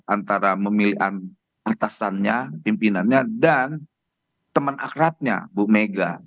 antara memilih atasannya pimpinannya dan teman akrabnya bu mega